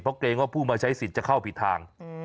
เพราะเกรงว่าผู้มาใช้สิทธิ์จะเข้าผิดทาง